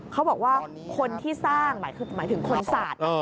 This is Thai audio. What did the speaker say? เขาบอกว่าคนที่สร้างหมายถึงคนสาด